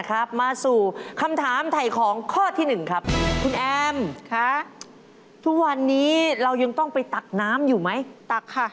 คุณแอมค่ะทุกวันนี้เรายังต้องไปตักน้ำอยู่ไหมตักค่ะ